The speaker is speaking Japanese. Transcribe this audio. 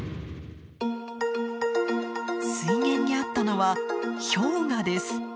水源にあったのは氷河です。